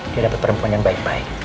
dia dapat perempuan yang baik baik